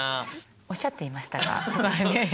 「おっしゃっていましたが」とかね。